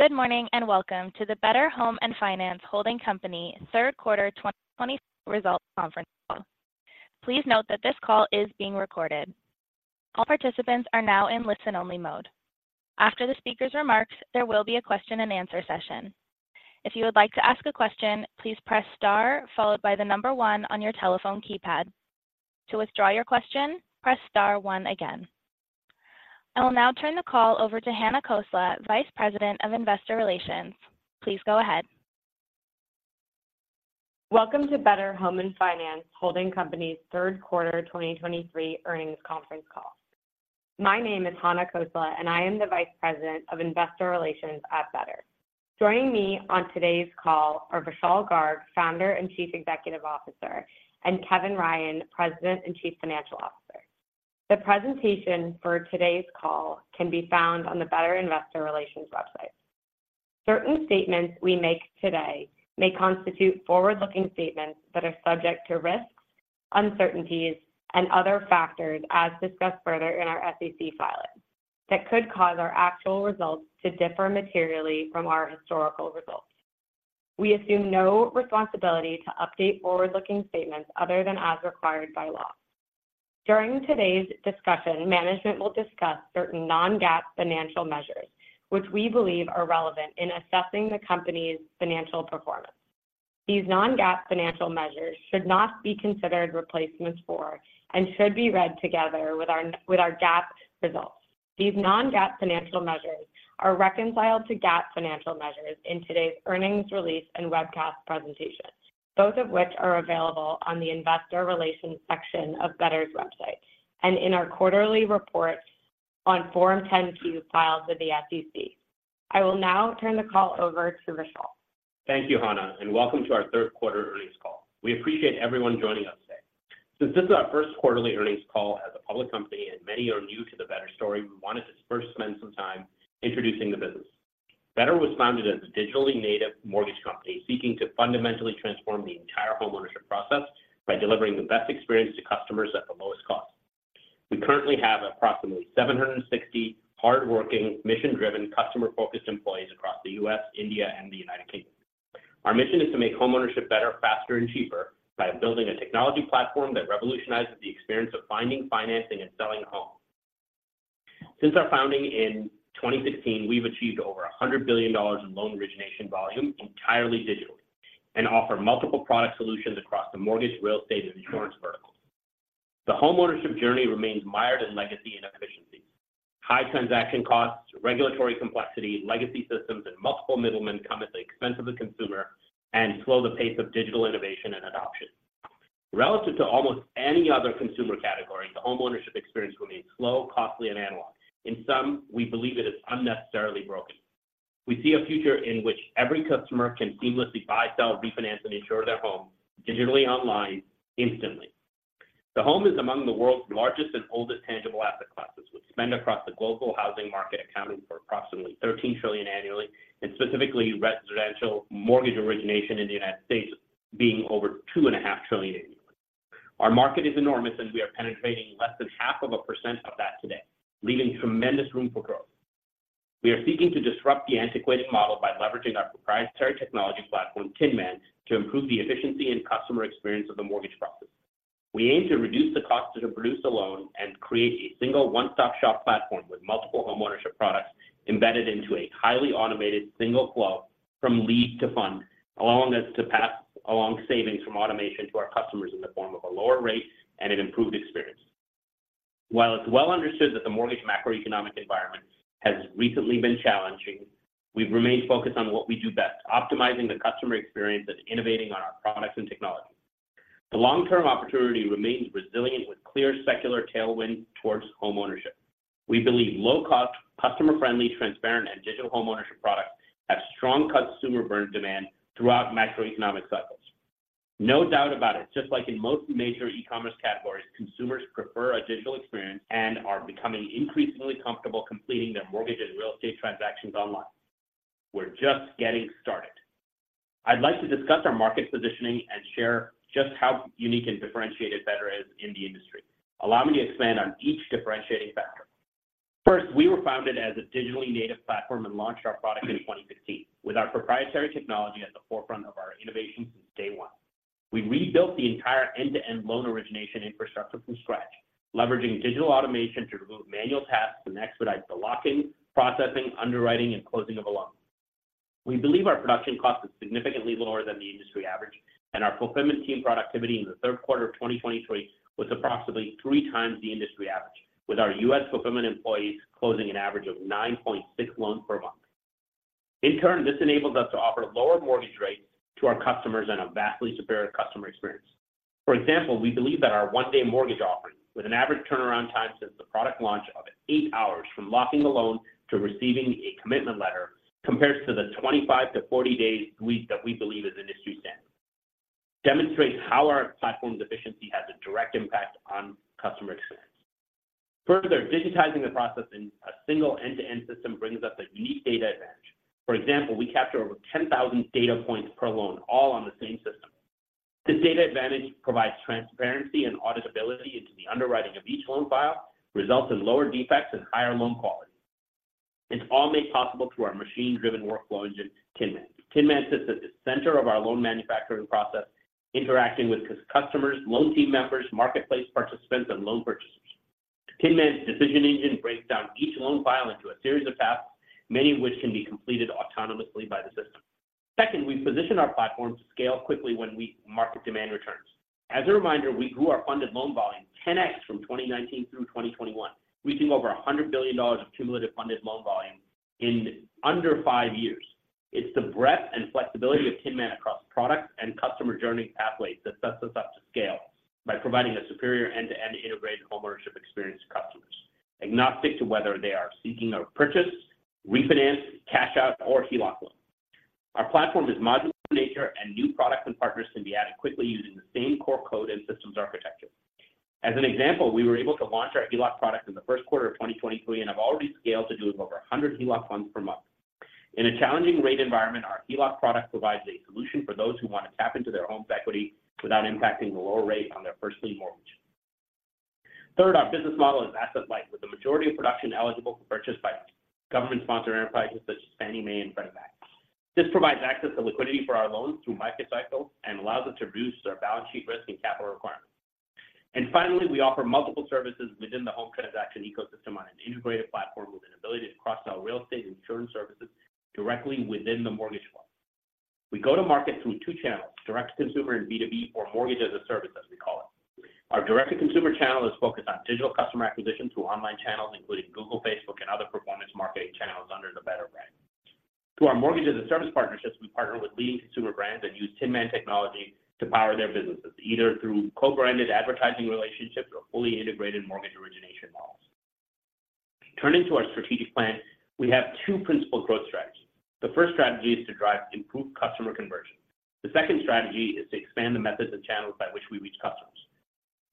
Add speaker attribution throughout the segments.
Speaker 1: Good morning, and welcome to the Better Home & Finance Holding Company Q3 2023 results conference call. Please note that this call is being recorded. All participants are now in listen-only mode. After the speaker's remarks, there will be a question and answer session. If you would like to ask a question, please press star followed by the number one on your telephone keypad. To withdraw your question, press star one again. I will now turn the call over to Hana Khosla, Vice President of Investor Relations. Please go ahead.
Speaker 2: Welcome to Better Home & Finance Holding Company's Q3 2023 earnings conference call. My name is Hana Khosla, and I am the Vice President of Investor Relations at Better. Joining me on today's call are Vishal Garg, Founder and Chief Executive Officer, and Kevin Ryan, President and Chief Financial Officer. The presentation for today's call can be found on the Better Investor Relations website. Certain statements we make today may constitute forward-looking statements that are subject to risks, uncertainties, and other factors, as discussed further in our SEC filings, that could cause our actual results to differ materially from our historical results. We assume no responsibility to update forward-looking statements other than as required by law. During today's discussion, management will discuss certain non-GAAP financial measures, which we believe are relevant in assessing the company's financial performance. These non-GAAP financial measures should not be considered replacements for and should be read together with our GAAP results. These non-GAAP financial measures are reconciled to GAAP financial measures in today's earnings release and webcast presentation, both of which are available on the investor relations section of Better's website and in our quarterly reports on Form 10-Q filed with the SEC. I will now turn the call over to Vishal.
Speaker 3: Thank you, Hana, and welcome to our Q3 earnings call. We appreciate everyone joining us today. Since this is our first quarterly earnings call as a public company, and many are new to the Better story, we wanted to first spend some time introducing the business. Better was founded as a digitally native mortgage company, seeking to fundamentally transform the entire homeownership process by delivering the best experience to customers at the lowest cost. We currently have approximately 760 hardworking, mission-driven, customer-focused employees across the U.S., India, and the United Kingdom. Our mission is to make homeownership better, faster, and cheaper by building a technology platform that revolutionizes the experience of finding, financing, and selling a home. Since our founding in 2016, we've achieved over $100 billion in loan origination volume entirely digitally and offer multiple product solutions across the mortgage, real estate, and insurance verticals. The homeownership journey remains mired in legacy and efficiency. High transaction costs, regulatory complexity, legacy systems, and multiple middlemen come at the expense of the consumer and slow the pace of digital innovation and adoption. Relative to almost any other consumer category, the homeownership experience remains slow, costly, and analog. In some, we believe it is unnecessarily broken. We see a future in which every customer can seamlessly buy, sell, refinance, and insure their home digitally, online, instantly. The home is among the world's largest and oldest tangible asset classes, with spend across the global housing market accounting for approximately $13 trillion annually, and specifically, residential mortgage origination in the United States being over $2.5 trillion annually. Our market is enormous, and we are penetrating less than 0.5% of that today, leaving tremendous room for growth. We are seeking to disrupt the antiquated model by leveraging our proprietary technology platform, Tinman, to improve the efficiency and customer experience of the mortgage process. We aim to reduce the cost to produce a loan and create a single one-stop-shop platform with multiple homeownership products embedded into a highly automated single flow from lead to fund, allowing us to pass along savings from automation to our customers in the form of a lower rate and an improved experience. While it's well understood that the mortgage macroeconomic environment has recently been challenging, we've remained focused on what we do best: optimizing the customer experience and innovating on our products and technology. The long-term opportunity remains resilient, with clear secular tailwind towards homeownership. We believe low cost, customer-friendly, transparent, and digital homeownership products have strong customer burn demand throughout macroeconomic cycles. No doubt about it, just like in most major e-commerce categories, consumers prefer a digital experience and are becoming increasingly comfortable completing their mortgage and real estate transactions online. We're just getting started. I'd like to discuss our market positioning and share just how unique and differentiated Better is in the industry. Allow me to expand on each differentiating factor. First, we were founded as a digitally native platform and launched our product in 2016, with our proprietary technology at the forefront of our innovation since day one. We rebuilt the entire end-to-end loan origination infrastructure from scratch, leveraging digital automation to remove manual tasks and expedite the locking, processing, underwriting, and closing of a loan. We believe our production cost is significantly lower than the industry average, and our fulfillment team productivity in the Q3 of 2023 was approximately 3 times the industry average, with our U.S. fulfillment employees closing an average of 9.6 loans per month. In turn, this enables us to offer lower mortgage rates to our customers and a vastly superior customer experience. For example, we believe that our One-Day Mortgage offering, with an average turnaround time since the product launch of 8 hours from locking the loan to receiving a commitment letter, compares to the 25-40 days lead that we believe is industry standard, demonstrates how our platform's efficiency has a direct impact on customer experience. Further, digitizing the process in a single end-to-end system brings us a unique data advantage. For example, we capture over 10,000 data points per loan, all on the same system. This data advantage provides transparency and auditability into the underwriting of each loan file, results in lower defects and higher loan quality. It's all made possible through our machine-driven workflow engine, Tinman. Tinman sits at the center of our loan manufacturing process, interacting with customers, loan team members, marketplace participants, and loan purchasers. Tinman's decision engine breaks down each loan file into a series of tasks, many of which can be completed autonomously by the system. Second, we position our platform to scale quickly when market demand returns. As a reminder, we grew our funded loan volume 10x from 2019 through 2021, reaching over $100 billion of cumulative funded loan volume in under 5 years. It's the breadth and flexibility of Tinman across products and customer journey pathways that sets us up to scale, by providing a superior end-to-end integrated homeownership experience to customers. Agnostic to whether they are seeking a purchase, refinance, cash out, or HELOC loan. Our platform is modular in nature, and new products and partners can be added quickly using the same core code and systems architecture. As an example, we were able to launch our HELOC product in the Q1 of 2023, and have already scaled to doing over 100 HELOC loans per month. In a challenging rate environment, our HELOC product provides a solution for those who want to tap into their home's equity without impacting the lower rate on their first lien mortgage. Third, our business model is asset-light, with the majority of production eligible for purchase by government-sponsored enterprises such as Fannie Mae and Freddie Mac. This provides access to liquidity for our loans through market cycles, and allows us to reduce our balance sheet risk and capital requirements. Finally, we offer multiple services within the home transaction ecosystem on an integrated platform, with an ability to cross-sell real estate and insurance services directly within the mortgage loan. We go to market through two channels, direct-to-consumer and B2B, or Mortgage-as-a-Service, as we call it. Our direct-to-consumer channel is focused on digital customer acquisition through online channels, including Google, Facebook, and other performance marketing channels under the Better brand. Through our Mortgage-as-a-Service partnerships, we partner with leading consumer brands that use Tinman technology to power their businesses, either through co-branded advertising relationships or fully integrated mortgage origination models. Turning to our strategic plan, we have two principal growth strategies. The first strategy is to drive improved customer conversion. The second strategy is to expand the methods and channels by which we reach customers.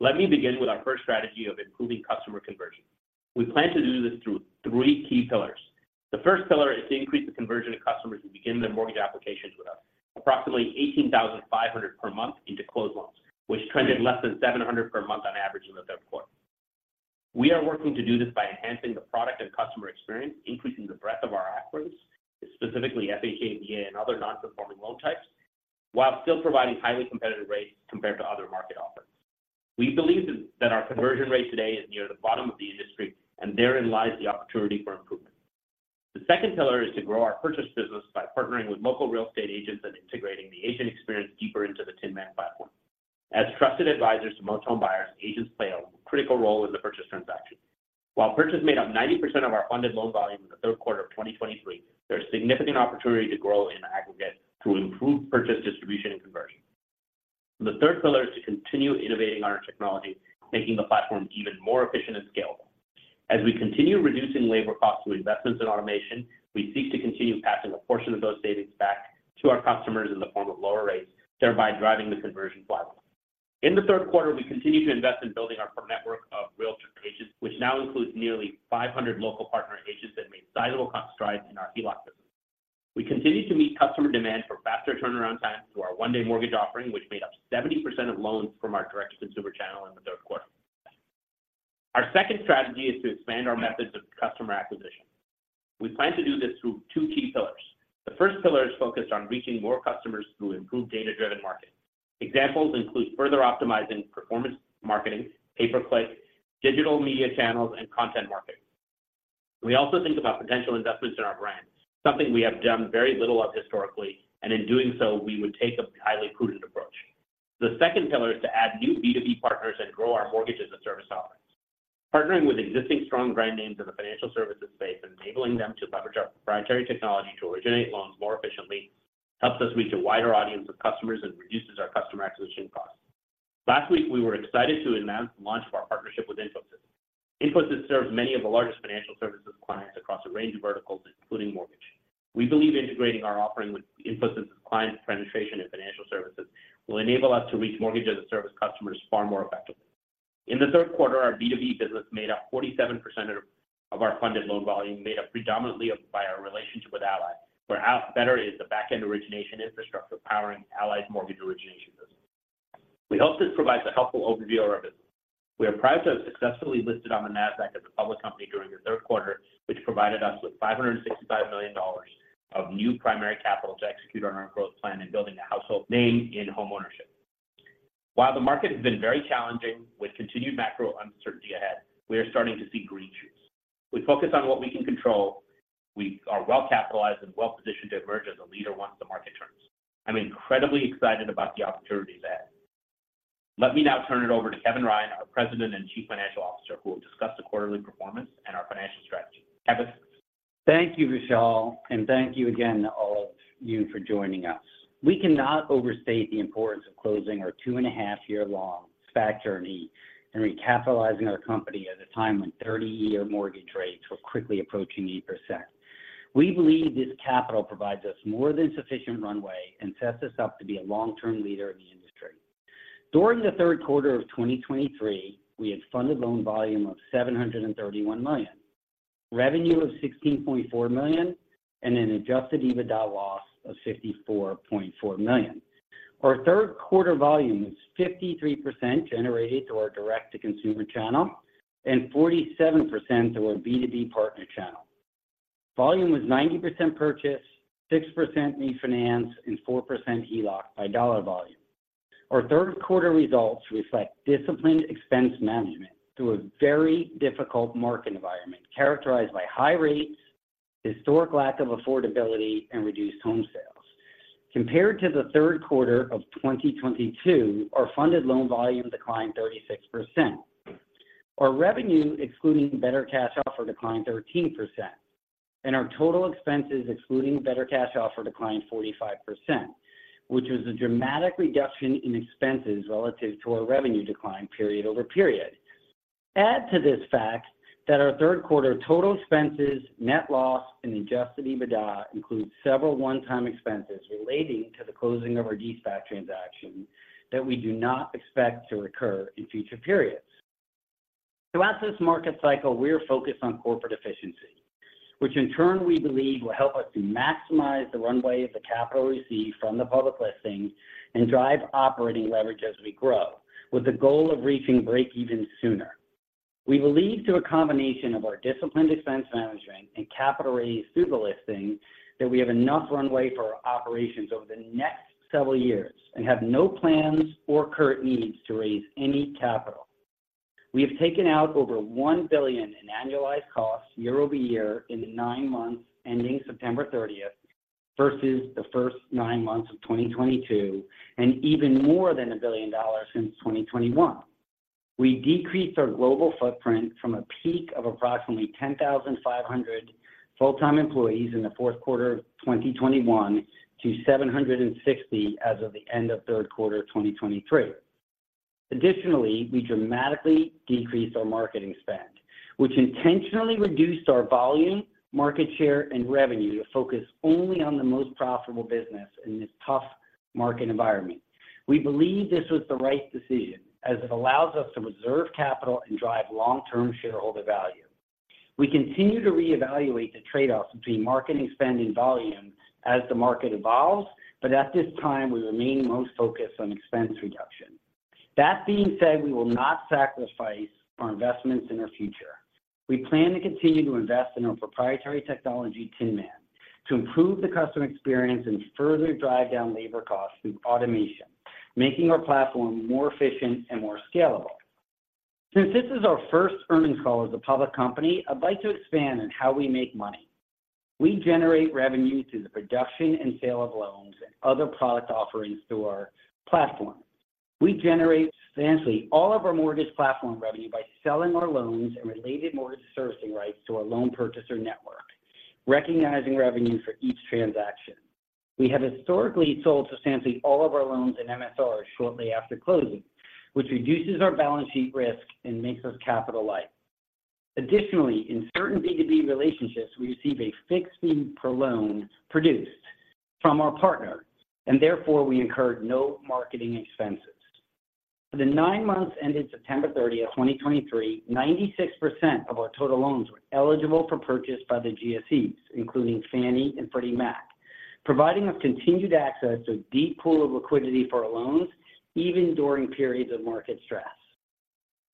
Speaker 3: Let me begin with our first strategy of improving customer conversion. We plan to do this through three key pillars. The first pillar is to increase the conversion of customers who begin their mortgage applications with us, approximately 18,500 per month into closed loans, which trended less than 700 per month on average in the Q3. We are working to do this by enhancing the product and customer experience, increasing the breadth of our acronyms, specifically FHA, VA, and other non-performing loan types, while still providing highly competitive rates compared to other market offers. We believe that our conversion rate today is near the bottom of the industry, and therein lies the opportunity for improvement. The second pillar is to grow our purchase business by partnering with local real estate agents and integrating the agent experience deeper into the Tinman platform. As trusted advisors to most home buyers, agents play a critical role in the purchase transaction. While purchases made up 90% of our funded loan volume in the Q3 of 2023, there is significant opportunity to grow in aggregate to improve purchase distribution and conversion. The third pillar is to continue innovating on our technology, making the platform even more efficient and scalable. As we continue reducing labor costs through investments in automation, we seek to continue passing a portion of those savings back to our customers in the form of lower rates, thereby driving the conversion funnel. In the Q3, we continued to invest in building our network of realtor agents, which now includes nearly 500 local partner agents that made sizable strides in our HELOC business. We continue to meet customer demand for faster turnaround times through our one-day mortgage offering, which made up 70% of loans from our direct-to-consumer channel in the Q3. Our second strategy is to expand our methods of customer acquisition. We plan to do this through two key pillars. The first pillar is focused on reaching more customers through improved data-driven marketing. Examples include further optimizing performance marketing, Pay-Per-Click, digital media channels, and content marketing. We also think about potential investments in our brand, something we have done very little of historically, and in doing so, we would take a highly prudent approach. The second pillar is to add new B2B partners and grow our Mortgage-as-a-Service offerings. Partnering with existing strong brand names in the financial services space, enabling them to leverage our proprietary technology to originate loans more efficiently, helps us reach a wider audience of customers and reduces our customer acquisition costs. Last week, we were excited to announce the launch of our partnership with Infosys. Infosys serves many of the largest financial services clients across a range of verticals, including mortgage. We believe integrating our offering with Infosys's client penetration and financial services will enable us to reach Mortgage-as-a-Service customers far more effectively. In the Q3, our B2B business made up 47% of our funded loan volume, made up predominantly by our relationship with Ally, where Better is the back-end origination infrastructure powering Ally's mortgage origination business. We hope this provides a helpful overview of our business. We are proud to have successfully listed on the Nasdaq as a public company during the Q3, which provided us with $565 million of new primary capital to execute on our growth plan in building a household name in homeownership. While the market has been very challenging, with continued macro uncertainty ahead, we are starting to see green shoots. We focus on what we can control. We are well-capitalized and well-positioned to emerge as a leader once the market turns. I'm incredibly excited about the opportunities ahead. Let me now turn it over to Kevin Ryan, our President and Chief Financial Officer, who will discuss the quarterly performance and our financial strategy. Kevin?
Speaker 4: Thank you, Vishal, and thank you again to all of you for joining us. We cannot overstate the importance of closing our 2.5-year-long SPAC journey and recapitalizing our company at a time when 30-year mortgage rates were quickly approaching 8%. We believe this capital provides us more than sufficient runway and sets us up to be a long-term leader in the industry. During the Q3 of 2023, we had funded loan volume of $731 million, revenue of $16.4 million and an Adjusted EBITDA loss of $54.4 million. Our Q3 volume was 53% generated through our direct-to-consumer channel and 47% through our B2B partner channel. Volume was 90% purchase, 6% refinance, and 4% HELOC by dollar volume. Our Q3 results reflect disciplined expense management through a very difficult market environment, characterized by high rates, historic lack of affordability, and reduced home sales. Compared to the Q3 of 2022, our funded loan volume declined 36%. Our revenue, excluding Better Cash Offer, declined 13%, and our total expenses, excluding Better Cash Offer, declined 45%, which was a dramatic reduction in expenses relative to our revenue decline period over period. Add to this fact that our Q3 total expenses, net loss and adjusted EBITDA includes several one-time expenses relating to the closing of our SPAC transaction, that we do not expect to recur in future periods. Throughout this market cycle, we're focused on corporate efficiency, which in turn, we believe, will help us to maximize the runway of the capital received from the public listing and drive operating leverage as we grow, with the goal of reaching break even sooner. We believe through a combination of our disciplined expense management and capital raised through the listing, that we have enough runway for our operations over the next several years and have no plans or current needs to raise any capital. We have taken out over $1 billion in annualized costs year-over-year in the first nine months, ending September 30th, versus the first nine months of 2022, and even more than $1 billion since 2021. We decreased our global footprint from a peak of approximately 10,500 full-time employees in the Q4 of 2021 to 760 as of the end of Q3 of 2023. Additionally, we dramatically decreased our marketing spend, which intentionally reduced our volume, market share, and revenue to focus only on the most profitable business in this tough market environment. We believe this was the right decision as it allows us to reserve capital and drive long-term shareholder value. We continue to reevaluate the trade-offs between marketing, spending, volume as the market evolves, but at this time, we remain most focused on expense reduction. That being said, we will not sacrifice our investments in our future. We plan to continue to invest in our proprietary technology, Tinman, to improve the customer experience and further drive down labor costs through automation, making our platform more efficient and more scalable. Since this is our first earnings call as a public company, I'd like to expand on how we make money. We generate revenue through the production and sale of loans and other product offerings through our platform. We generate substantially all of our mortgage platform revenue by selling our loans and related mortgage servicing rights to our loan purchaser network, recognizing revenue for each transaction. We have historically sold substantially all of our loans and MSRs shortly after closing, which reduces our balance sheet risk and makes us capital light. Additionally, in certain B2B relationships, we receive a fixed fee per loan produced from our partner, and therefore we incur no marketing expenses. For the nine months ended September 30, 2023, 96% of our total loans were eligible for purchase by the GSEs, including Fannie Mae and Freddie Mac, providing us continued access to a deep pool of liquidity for our loans, even during periods of market stress.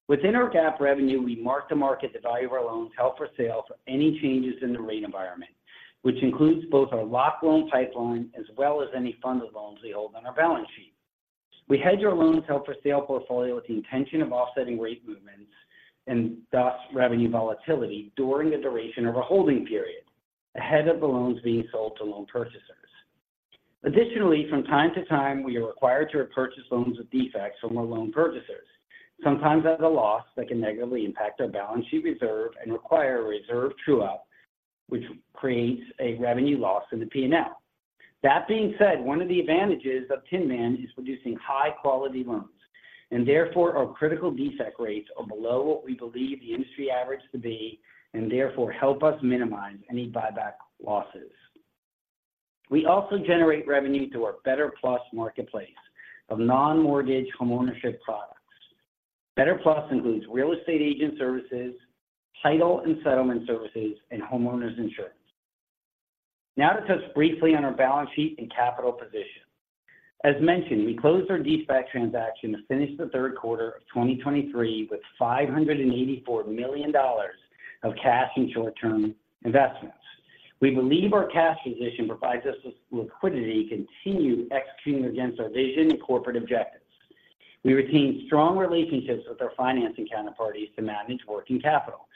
Speaker 4: Within our GAAP revenue, we mark to market the value of our loans, held for sale for any changes in the rate environment, which includes both our locked loan pipeline as well as any funded loans we hold on our balance sheet. We hedge our loans, held for sale portfolio, with the intention of offsetting rate movements and thus revenue volatility during the duration of our holding period, ahead of the loans being sold to loan purchasers. Additionally, from time to time, we are required to repurchase loans with defects from our loan purchasers, sometimes at a loss that can negatively impact our balance sheet reserve and require a reserve true-up, which creates a revenue loss in the P&L. That being said, one of the advantages of Tinman is producing high-quality loans, and therefore, our critical defect rates are below what we believe the industry average to be, and therefore help us minimize any buyback losses. We also generate revenue through our Better Plus marketplace of non-mortgage homeownership products. Better Plus includes real estate agent services, title and settlement services, and homeowners insurance. Now, to touch briefly on our balance sheet and capital position. As mentioned, we closed our SPAC transaction to finish the Q3 of 2023 with $584 million of cash and short-term investments. We believe our cash position provides us with liquidity to continue executing against our vision and corporate objectives. We retain strong relationships with our financing counterparties to manage working capital,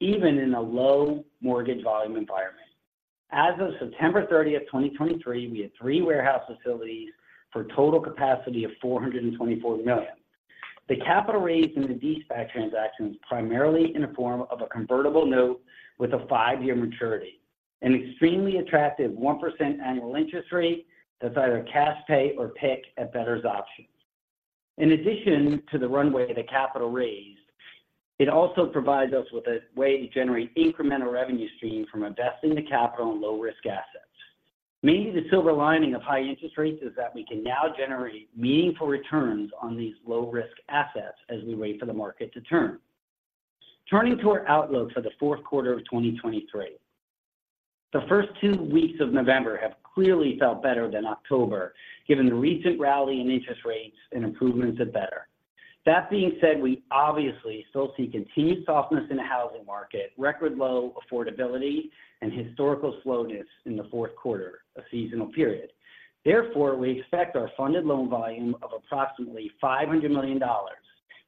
Speaker 4: even in a low mortgage volume environment. As of September 30, 2023, we had 3 warehouse facilities for a total capacity of $424 million. The capital raised in the SPAC transaction was primarily in the form of a convertible note with a 5-year maturity, an extremely attractive 1% annual interest rate that's either cash pay or PIK at Better's option. In addition to the runway, the capital raised, it also provides us with a way to generate incremental revenue stream from investing the capital in low-risk assets.... Maybe the silver lining of high interest rates is that we can now generate meaningful returns on these low-risk assets as we wait for the market to turn. Turning to our outlook for the Q4 of 2023. The first 2 weeks of November have clearly felt better than October, given the recent rally in interest rates and improvements at Better. That being said, we obviously still see continued softness in the housing market, record-low affordability, and historical slowness in the Q4, a seasonal period. Therefore, we expect our funded loan volume of approximately $500 million,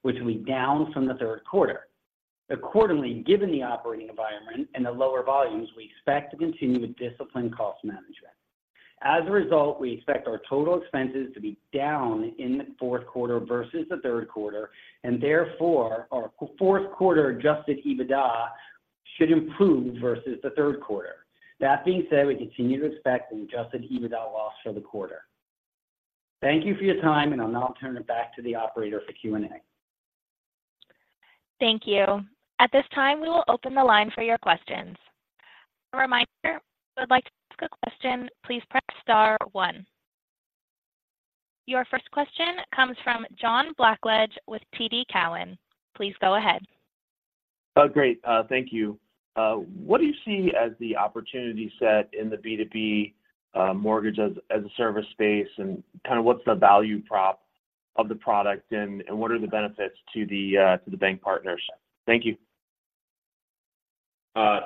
Speaker 4: which will be down from the Q3. Accordingly, given the operating environment and the lower volumes, we expect to continue with disciplined cost management. As a result, we expect our total expenses to be down in the Q4 versus the Q3, and therefore, our Q4 Adjusted EBITDA should improve versus the Q3. That being said, we continue to expect an Adjusted EBITDA loss for the quarter. Thank you for your time, and I'll now turn it back to the operator for Q&A.
Speaker 1: Thank you. At this time, we will open the line for your questions. A reminder, if you would like to ask a question, please press star one. Your first question comes from John Blackledge with TD Cowen. Please go ahead.
Speaker 5: Oh, great. Thank you. What do you see as the opportunity set in the B2B, Mortgage-as-a-Service space? And kind of what's the value prop of the product, and what are the benefits to the bank partners? Thank you.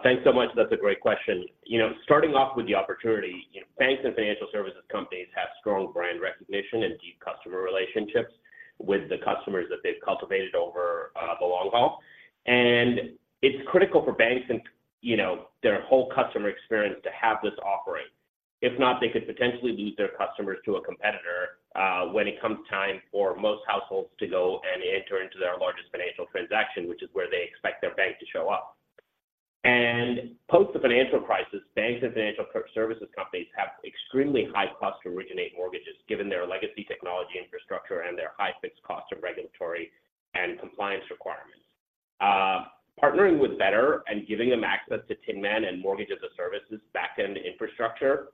Speaker 3: Thanks so much. That's a great question. You know, starting off with the opportunity, you know, banks and financial services companies have strong brand recognition and deep customer relationships with the customers that they've cultivated over the long haul. And it's critical for banks and, you know, their whole customer experience to have this offering. If not, they could potentially lose their customers to a competitor when it comes time for most households to go and enter into their largest financial transaction, which is where they expect their bank to show up. And post the financial crisis, banks and financial services companies have extremely high costs to originate mortgages, given their legacy technology infrastructure and their high fixed cost of regulatory and compliance requirements. Partnering with Better and giving them access to Tinman and Mortgage-as-a-Service backend infrastructure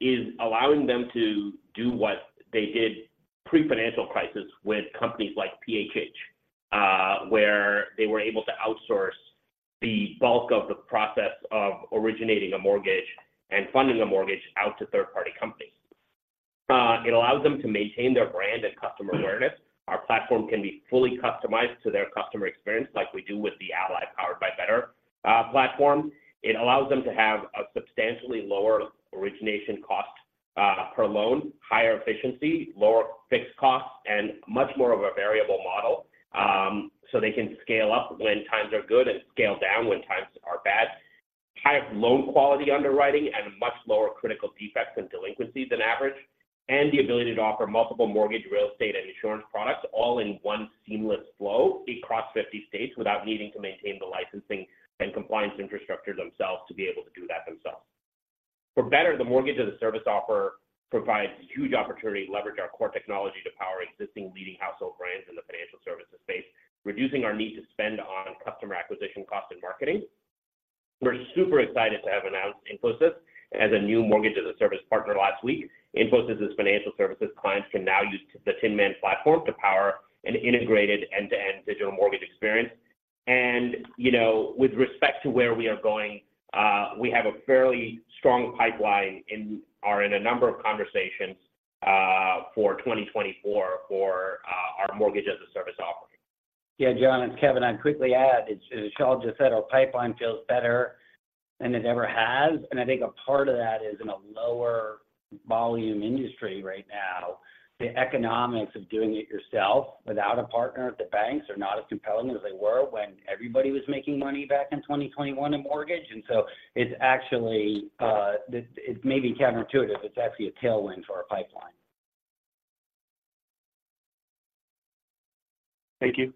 Speaker 3: is allowing them to do what they did pre-financial crisis with companies like PHH, where they were able to outsource the bulk of the process of originating a mortgage and funding a mortgage out to third-party companies. It allows them to maintain their brand and customer awareness. Our platform can be fully customized to their customer experience, like we do with the Ally powered by Better platform. It allows them to have a substantially lower origination cost per loan, higher efficiency, lower fixed costs, and much more of a variable model. So they can scale up when times are good and scale down when times are bad. Higher loan quality underwriting and much lower critical defects and delinquencies than average, and the ability to offer multiple mortgage, real estate, and insurance products all in one seamless flow across 50 states, without needing to maintain the licensing and compliance infrastructure themselves to be able to do that themselves. For Better, the Mortgage-as-a-Service offer provides huge opportunity to leverage our core technology to power existing leading household brands in the financial services space, reducing our need to spend on customer acquisition costs and marketing. We're super excited to have announced Inclusiv as a new Mortgage-as-a-Service partner last week. Inclusiv's financial services clients can now use the Tinman platform to power an integrated end-to-end digital mortgage experience. You know, with respect to where we are going, we have a fairly strong pipeline. We are in a number of conversations for 2024 for our mortgage as a service offering.
Speaker 4: Yeah, John, it's Kevin. I'd quickly add, as Vishal just said, our pipeline feels better than it ever has. And I think a part of that is in a lower volume industry right now. The economics of doing it yourself without a partner at the banks are not as compelling as they were when everybody was making money back in 2021 in mortgage. And so it's actually, it may be counterintuitive, it's actually a tailwind for our pipeline.
Speaker 5: Thank you.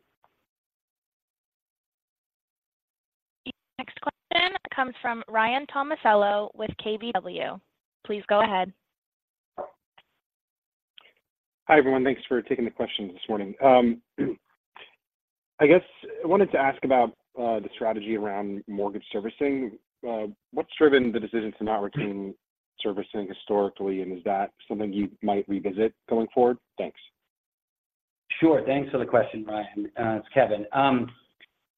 Speaker 1: Your next question comes from Ryan Tomasello with KBW. Please go ahead.
Speaker 6: Hi, everyone. Thanks for taking the questions this morning. I guess I wanted to ask about the strategy around mortgage servicing. What's driven the decision to not retain servicing historically, and is that something you might revisit going forward? Thanks.
Speaker 4: Sure. Thanks for the question, Ryan. It's Kevin.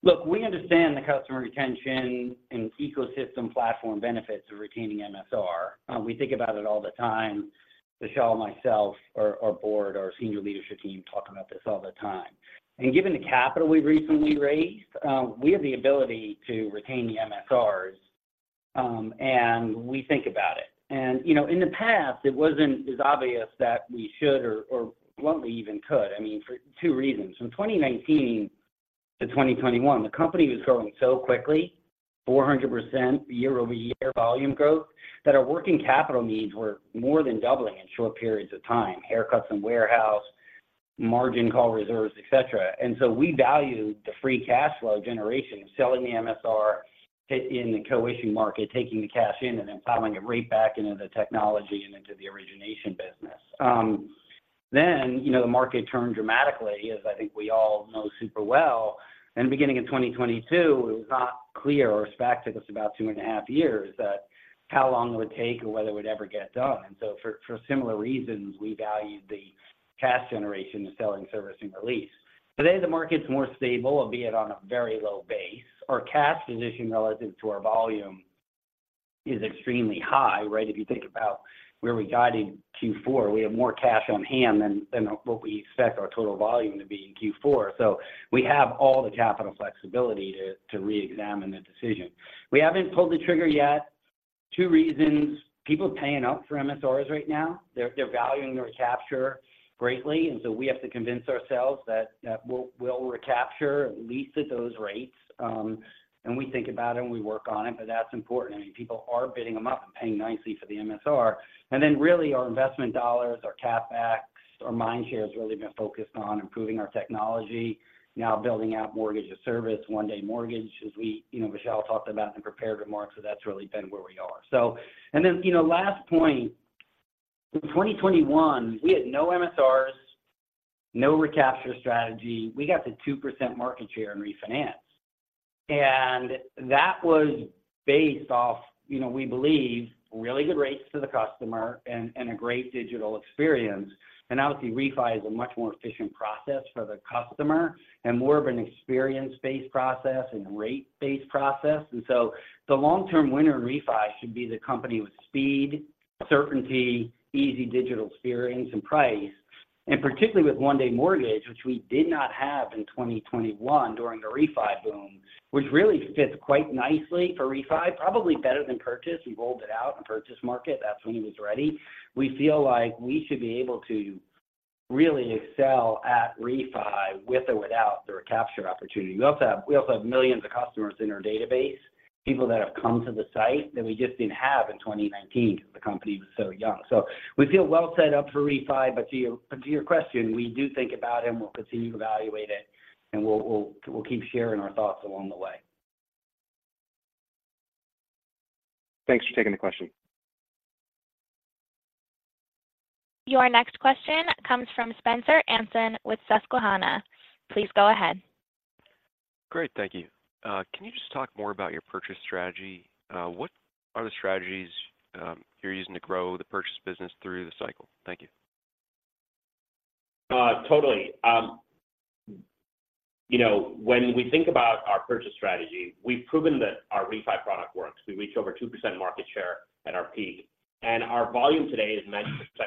Speaker 4: Look, we understand the customer retention and ecosystem platform benefits of retaining MSR. We think about it all the time. Vishal and myself, our board, our senior leadership team, talk about this all the time. And given the capital we've recently raised, we have the ability to retain the MSRs, and we think about it. And, you know, in the past, it wasn't as obvious that we should or bluntly even could, I mean, for two reasons. From 2019 to 2021, the company was growing so quickly, 400% year-over-year volume growth, that our working capital needs were more than doubling in short periods of time, haircuts and warehouse, margin call reserves, et cetera. And so we valued the free cash flow generation of selling the MSR in the co-issuing market, taking the cash in, and then plowing it right back into the technology and into the origination business. Then, you know, the market turned dramatically, as I think we all know super well. And beginning in 2022, it was not clear or a fact, took us about two and a half years, that how long it would take or whether it would ever get done. And so for, for similar reasons, we valued the cash generation of selling, servicing, or lease. Today, the market's more stable, albeit on a very low base. Our cash position relative to our volume is extremely high, right? If you think about where we guided Q4, we have more cash on hand than, than what we expect our total volume to be in Q4. So we have all the capital flexibility to reexamine the decision. We haven't pulled the trigger yet. Two reasons: people paying up for MSRs right now. They're valuing the recapture greatly, and so we have to convince ourselves that we'll recapture at least at those rates. And we think about it, and we work on it, but that's important. I mean, people are bidding them up and paying nicely for the MSR. And then really, our investment dollars, our CapEx, our mind share has really been focused on improving our technology. Now building out Mortgage-as-a-Service, One-Day Mortgage, as we, you know, Michelle talked about in the prepared remarks, so that's really been where we are. So, and then, you know, last point, in 2021, we had no MSRs, no recapture strategy. We got to 2% market share in refinance. And that was based off, you know, we believe, really good rates to the customer and, and a great digital experience. And obviously, refi is a much more efficient process for the customer and more of an experience-based process and rate-based process. And so the long-term winner in refi should be the company with speed, certainty, easy digital experience, and price. And particularly with One-Day Mortgage, which we did not have in 2021 during the refi boom, which really fits quite nicely for refi, probably better than purchase. We rolled it out in purchase market. That's when it was ready. We feel like we should be able to really excel at refi with or without the recapture opportunity. We also have, we also have millions of customers in our database, people that have come to the site that we just didn't have in 2019. The company was so young. So we feel well set up for refi, but to your question, we do think about it, and we'll continue to evaluate it, and we'll keep sharing our thoughts along the way.
Speaker 6: Thanks for taking the question.
Speaker 1: Your next question comes from Spencer Anson with Susquehanna. Please go ahead.
Speaker 7: Great, thank you. Can you just talk more about your purchase strategy? What are the strategies you're using to grow the purchase business through the cycle? Thank you.
Speaker 3: Totally. You know, when we think about our purchase strategy, we've proven that our refi product works. We reached over 2% market share at our peak, and our volume today is 9%-10%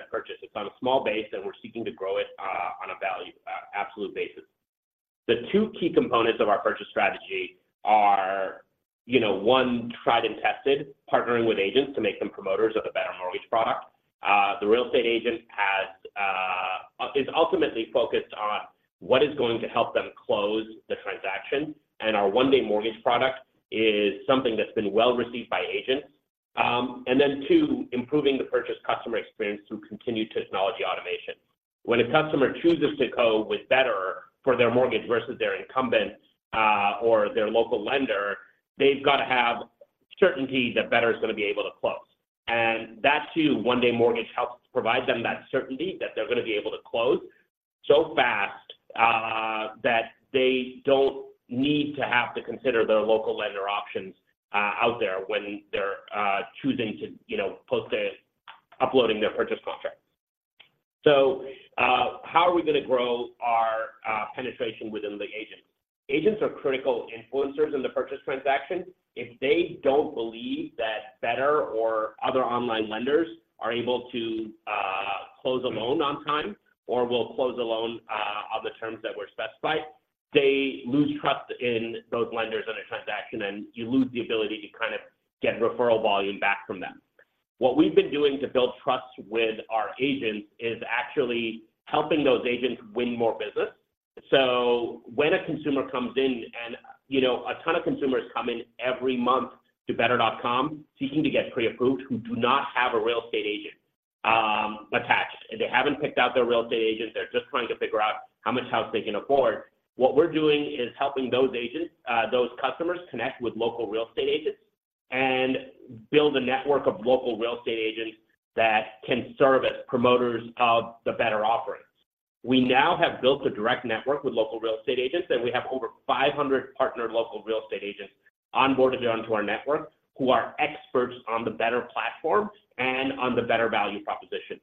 Speaker 3: purchase. It's on a small base, and we're seeking to grow it on a value absolute basis. The two key components of our purchase strategy are, you know, one, tried and tested, partnering with agents to make them promoters of a Better mortgage product. The real estate agent is ultimately focused on what is going to help them close the transaction, and our One-Day Mortgage product is something that's been well-received by agents. And then two, improving the purchase customer experience through continued technology automation. When a customer chooses to go with Better for their mortgage versus their incumbent or their local lender, they've got to have certainty that Better is going to be able to close. And that, too, One-Day Mortgage helps provide them that certainty that they're going to be able to close so fast that they don't need to have to consider their local lender options out there when they're choosing to, you know, uploading their purchase contract. So, how are we going to grow our penetration within the agents? Agents are critical influencers in the purchase transaction. If they don't believe that Better or other online lenders are able to close a loan on time or will close a loan on the terms that were specified, they lose trust in those lenders on a transaction, and you lose the ability to kind of get referral volume back from them. What we've been doing to build trust with our agents is actually helping those agents win more business. So when a consumer comes in, and, you know, a ton of consumers come in every month to Better.com seeking to get pre-approved, who do not have a real estate agent attached. They haven't picked out their real estate agent. They're just trying to figure out how much house they can afford. What we're doing is helping those agents, those customers connect with local real estate agents and build a network of local real estate agents that can serve as promoters of the Better offerings. We now have built a direct network with local real estate agents, and we have over 500 partnered local real estate agents onboarded onto our network who are experts on the Better platform and on the Better value proposition.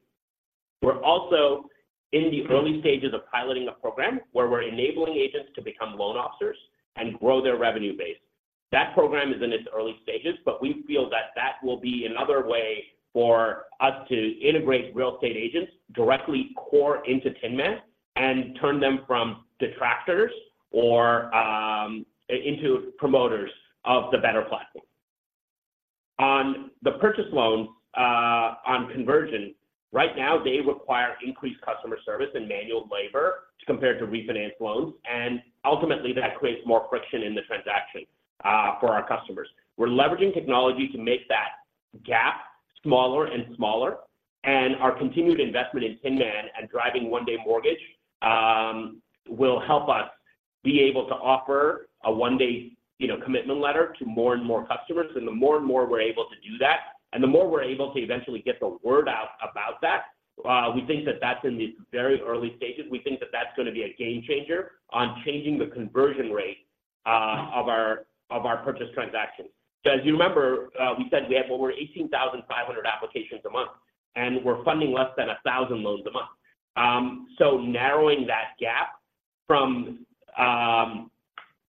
Speaker 3: We're also in the early stages of piloting a program where we're enabling agents to become loan officers and grow their revenue base. That program is in its early stages, but we feel that that will be another way for us to integrate real estate agents directly core into Tinman and turn them from detractors or into promoters of the Better platform. On the purchase loans, on conversion, right now, they require increased customer service and manual labor compared to refinance loans, and ultimately, that creates more friction in the transaction, for our customers. We're leveraging technology to make that gap smaller and smaller, and our continued investment in Tinman and driving One-Day Mortgage, will help us be able to offer a one-day, you know, commitment letter to more and more customers. And the more and more we're able to do that, and the more we're able to eventually get the word out about that, we think that that's in the very early stages. We think that that's gonna be a game changer on changing the conversion rate, of our, of our purchase transactions. So as you remember, we said we have over 18,500 applications a month, and we're funding less than 1,000 loans a month. So narrowing that gap from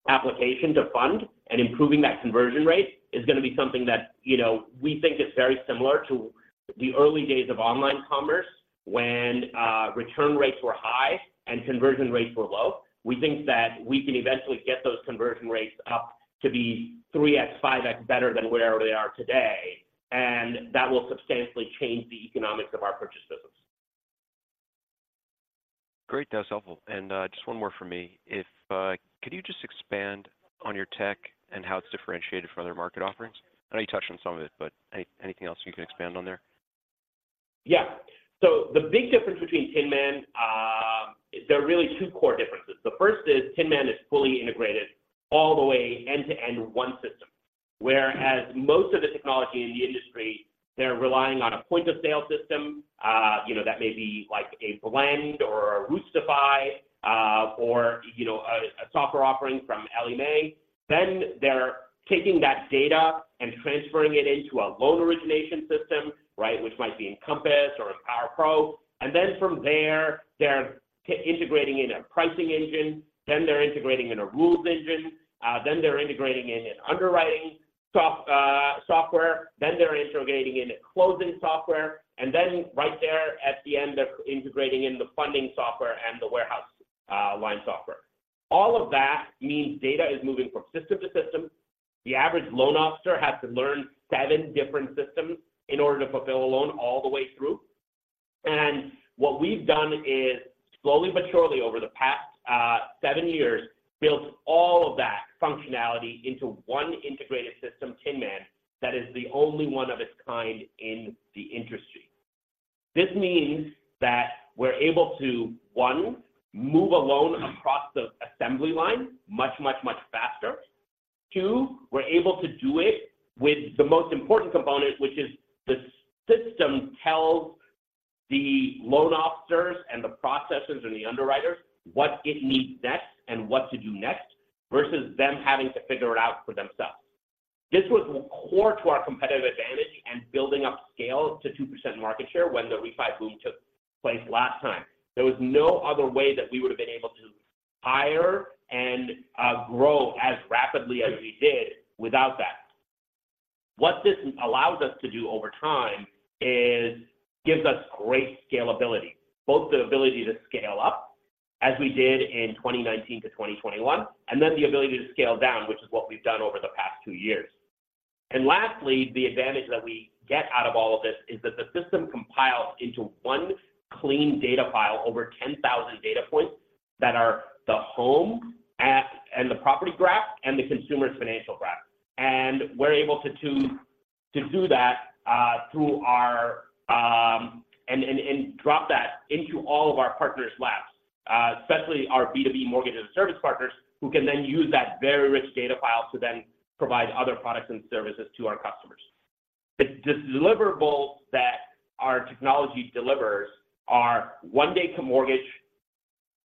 Speaker 3: application to fund and improving that conversion rate is gonna be something that, you know, we think is very similar to the early days of online commerce, when return rates were high and conversion rates were low. We think that we can eventually get those conversion rates up to be 3x, 5x better than wherever they are today, and that will substantially change the economics of our purchase business.
Speaker 7: Great. That's helpful. And, just one more from me. If, could you just expand on your tech and how it's differentiated from other market offerings? I know you touched on some of it, but anything else you can expand on there?
Speaker 3: Yeah. So the big difference between Tinman, there are really two core differences. The first is Tinman is fully integrated all the way end-to-end, one system. Whereas most of the technology in the industry, they're relying on a point-of-sale system, you know, that may be like a Blend or a Roostify, or, you know, a, a software offering from Ellie Mae. Then they're taking that data and transferring it into a loan origination system, right? Which might be Encompass or PowerPro. And then from there, they're integrating in a pricing engine, then they're integrating in a rules engine, then they're integrating in an underwriting software, then they're integrating in a closing software, and then right there at the end, they're integrating in the funding software and the warehouse line software. All of that means data is moving from system to system. The average loan officer has to learn seven different systems in order to fulfill a loan all the way through. And what we've done is, slowly but surely, over the past seven years, built all of that functionality into one integrated system, Tinman, that is the only one of its kind in the industry. This means that we're able to, one, move a loan across the assembly line much, much, much faster. Two, we're able to do it with the most important component, which is the system tells the loan officers, and the processors, and the underwriters what it needs next and what to do next, versus them having to figure it out for themselves. This was core to our competitive advantage and building up scale to 2% market share when the refi boom took place last time. There was no other way that we would have been able to hire and grow as rapidly as we did without that. What this allows us to do over time is gives us great scalability, both the ability to scale up, as we did in 2019 to 2021, and then the ability to scale down, which is what we've done over the past two years. And lastly, the advantage that we get out of all of this is that the system compiles into one clean data file over 10,000 data points that are the home at... and the property graph, and the consumer's financial graph. And we're able to do that through our and drop that into all of our partners' laps, especially our B2B mortgage and service partners, who can then use that very rich data file to then provide other products and services to our customers. The deliverables that our technology delivers are One-Day Mortgage,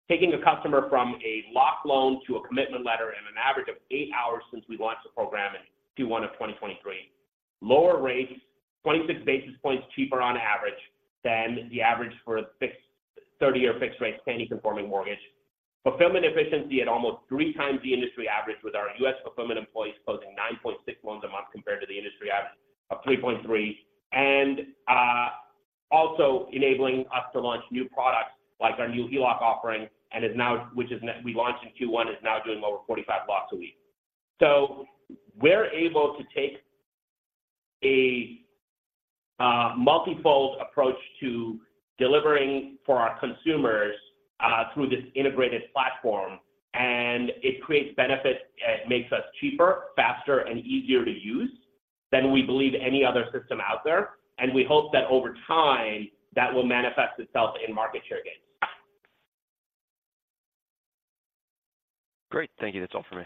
Speaker 3: taking a customer from a locked loan to a commitment letter in an average of 8 hours since we launched the program in Q1 of 2023. Lower rates, 26 basis points cheaper on average than the average for a fixed 30-year fixed rate, Fannie conforming mortgage. Fulfillment efficiency at almost three times the industry average, with our U.S. fulfillment employees closing 9.6 loans a month compared to the industry average of 3.3. And, also enabling us to launch new products like our new HELOC offering, and which is—we launched in Q1, is now doing over 45 blocks a week. So we're able to take a multifold approach to delivering for our consumers through this integrated platform, and it creates benefits. It makes us cheaper, faster, and easier to use than we believe any other system out there. And we hope that over time, that will manifest itself in market share gains.
Speaker 7: Great. Thank you. That's all for me.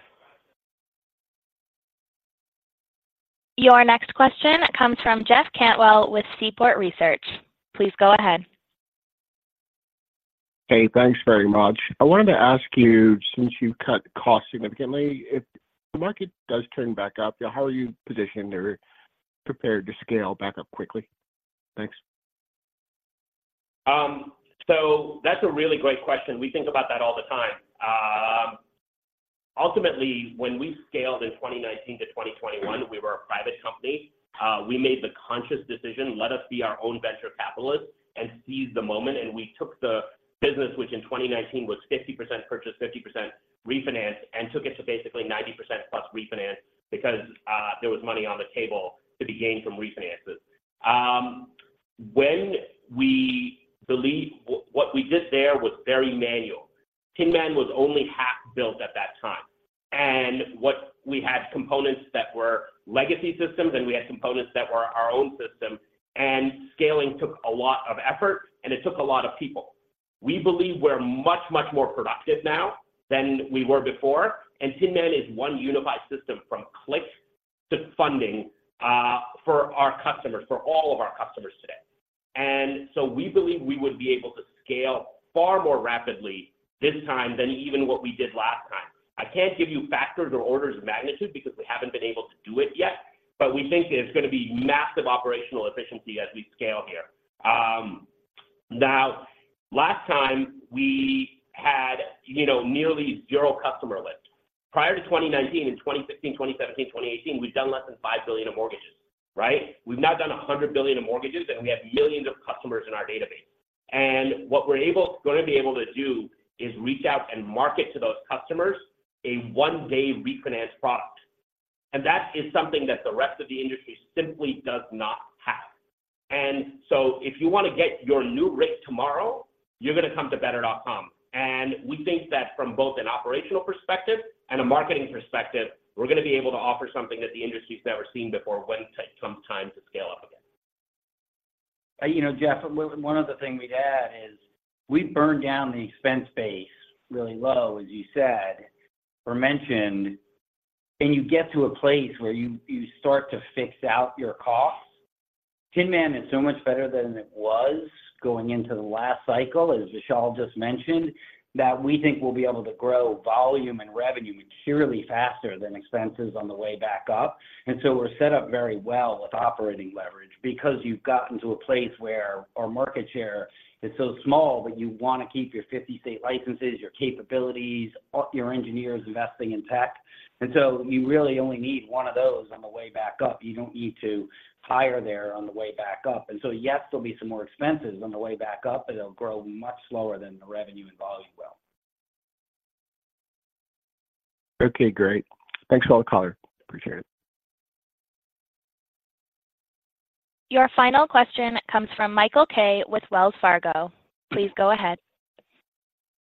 Speaker 1: Your next question comes from Jeff Cantwell with Seaport Research. Please go ahead.
Speaker 8: Hey, thanks very much. I wanted to ask you, since you've cut costs significantly, if the market does turn back up, how are you positioned or prepared to scale back up quickly? Thanks.
Speaker 3: So that's a really great question. We think about that all the time. Ultimately, when we scaled in 2019 to 2021, we were a private company. We made the conscious decision, let us be our own venture capitalist and seize the moment, and we took the business, which in 2019 was 50% purchase, 50% refinance, and took it to basically 90%+ refinance because there was money on the table to be gained from refinances. What we did there was very manual. Tinman was only half built at that time, and what we had components that were legacy systems, and we had components that were our own system, and scaling took a lot of effort, and it took a lot of people. We believe we're much, much more productive now than we were before, and Tinman is one unified system from click to funding for our customers, for all of our customers today. And so we believe we would be able to scale far more rapidly this time than even what we did last time. I can't give you factors or orders of magnitude because we haven't been able to do it yet, but we think there's gonna be massive operational efficiency as we scale here. Now, last time we had, you know, nearly zero customer list. Prior to 2019, in 2016, 2017, 2018, we've done less than $5 billion of mortgages, right? We've now done $100 billion of mortgages, and we have millions of customers in our database. What we're able to do is reach out and market to those customers a one-day refinance product. That is something that the rest of the industry simply does not have. So if you want to get your new rate tomorrow, you're gonna come to Better.com. We think that from both an operational perspective and a marketing perspective, we're gonna be able to offer something that the industry's never seen before when it comes time to scale up again.
Speaker 4: You know, Jeff, one other thing we'd add is we burned down the expense base really low, as you said or mentioned, and you get to a place where you start to fix out your costs. Tinman is so much better than it was going into the last cycle, as Vishal just mentioned, that we think we'll be able to grow volume and revenue materially faster than expenses on the way back up. And so we're set up very well with operating leverage because you've gotten to a place where our market share is so small that you want to keep your 50-state licenses, your capabilities, your engineers investing in tech. And so you really only need one of those on the way back up. You don't need to hire there on the way back up. And so, yes, there'll be some more expenses on the way back up, but it'll grow much slower than the revenue and volume will.
Speaker 8: Okay, great. Thanks for all the color. Appreciate it.
Speaker 1: Your final question comes from Michael Kaye with Wells Fargo. Please go ahead.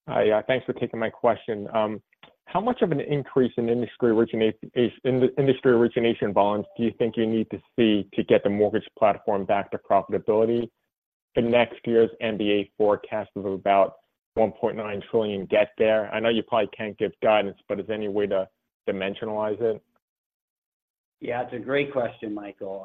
Speaker 9: Hi, thanks for taking my question. How much of an increase in industry origination volumes do you think you need to see to get the mortgage platform back to profitability? The next year's MBA forecast is about $1.9 trillion get there. I know you probably can't give guidance, but is there any way to dimensionalize it?
Speaker 4: Yeah, it's a great question, Michael.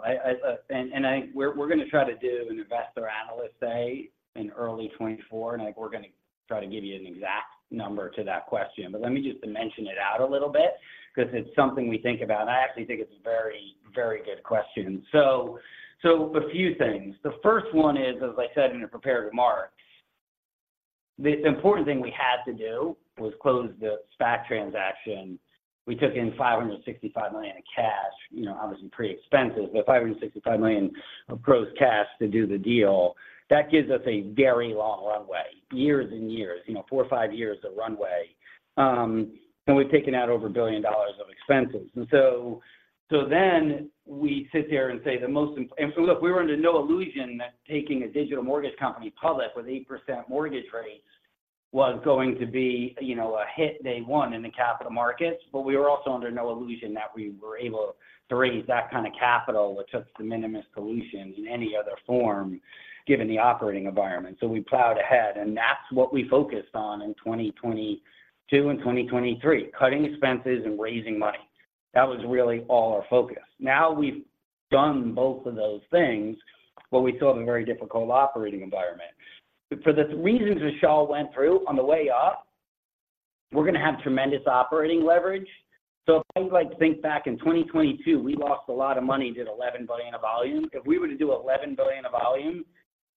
Speaker 4: We're gonna try to do an investor analyst day in early 2024, and I think we're gonna try to give you an exact number to that question. But let me just dimension it out a little bit because it's something we think about, and I actually think it's a very, very good question. So a few things. The first one is, as I said in the prepared remarks, the important thing we had to do was close the SPAC transaction. We took in $565 million in cash. You know, obviously, pretty expensive, but $565 million of gross cash to do the deal, that gives us a very long runway, years and years, you know, 4 or 5 years of runway. And we've taken out over $1 billion of expenses. And so, so then we sit here and say the most and so look, we were under no illusion that taking a digital mortgage company public with 8% mortgage rates was going to be, you know, a hit day one in the capital markets. But we were also under no illusion that we were able to raise that kind of capital, which took de minimis dilution in any other form, given the operating environment. So we plowed ahead, and that's what we focused on in 2022 and 2023, cutting expenses and raising money. That was really all our focus. Now, we've done both of those things, but we still have a very difficult operating environment. For the reasons Vishal went through on the way up, we're gonna have tremendous operating leverage. So if you, like, think back in 2022, we lost a lot of money, did $11 billion of volume. If we were to do $11 billion of volume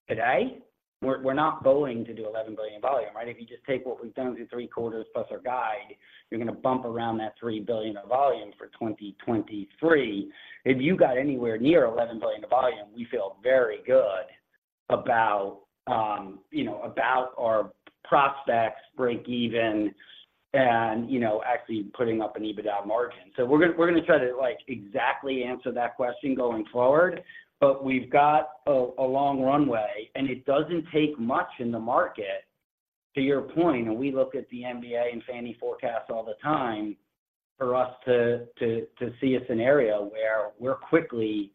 Speaker 4: today, we're not going to do $11 billion in volume, right? If you just take what we've done through three quarters plus our guide, you're gonna bump around that $3 billion of volume for 2023. If you got anywhere near $11 billion of volume, we feel very good about, you know, about our prospects, break even, and, you know, actually putting up an EBITDA margin. So we're gonna try to, like, exactly answer that question going forward, but we've got a long runway, and it doesn't take much in the market, to your point, and we look at the MBA and Fannie forecasts all the time, for us to see a scenario where we're quickly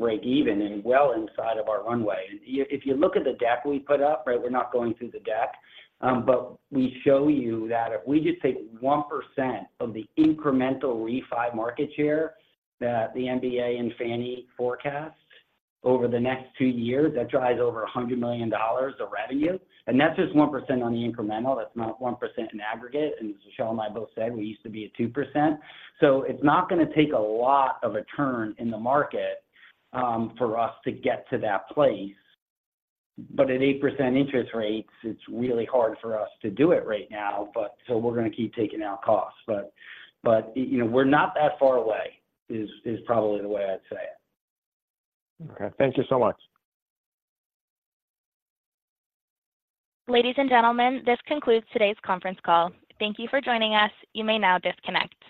Speaker 4: break even and well inside of our runway. If you look at the deck we put up, right, we're not going through the deck, but we show you that if we just take 1% of the incremental refi market share that the MBA and Fannie forecast over the next two years, that drives over $100 million of revenue, and that's just 1% on the incremental. That's not 1% in aggregate. And as Vishal and I both said, we used to be at 2%. So it's not gonna take a lot of a turn in the market for us to get to that place. But at 8% interest rates, it's really hard for us to do it right now, but so we're gonna keep taking out costs. But you know, we're not that far away, is probably the way I'd say it.
Speaker 9: Okay. Thank you so much.
Speaker 1: Ladies and gentlemen, this concludes today's conference call. Thank you for joining us. You may now disconnect.